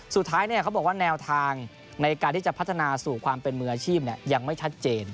เขาบอกว่าแนวทางในการที่จะพัฒนาสู่ความเป็นมืออาชีพยังไม่ชัดเจน